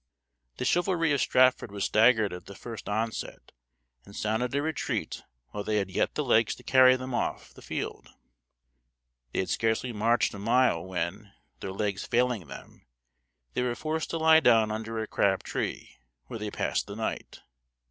The chivalry of Stratford was staggered at the first onset, and sounded a retreat while they had yet the legs to carry them off the field. They had scarcely marched a mile when, their legs failing them, they were forced to lie down under a crab tree, where they passed the night.